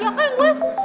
ya kan gue